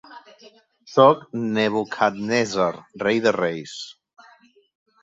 Sóc Nebuchadnezzar, rei de reis.